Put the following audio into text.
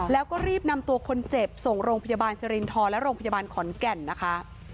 แล้วก็รีบนำตัวคนเจ็บส่งโรงพยาบาลสิรินทรและโรงพยาบาลขอนแก่นนะคะ